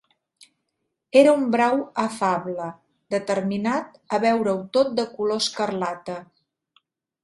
Era un brau afable, determinat a veure-ho tot de color escarlata.